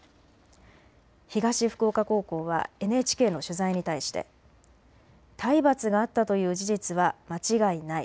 東福岡高校はＮＨＫの取材に対して体罰があったという事実は間違いない。